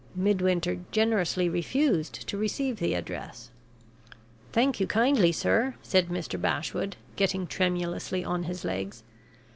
Midwinter generously refused to receive the address. "Thank you kindly, sir," said Mr. Bashwood, getting tremulously on his legs.